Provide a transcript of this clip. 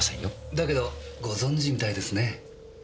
だけどご存じみたいですね。